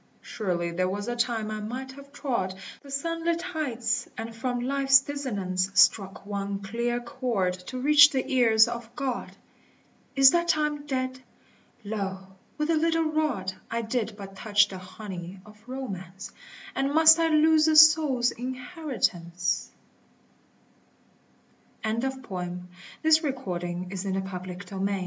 Surely there was a time I might have trod The sunlit heights, and from ltfe*s dissonance Struck one clear chord to reach the ears of God : Is that time dead? lo / with a little rod I did but touch the honey of romance — And must I lose a souPs inheritance t ELEUTHERIA SONNET TO LIBERTY NOT that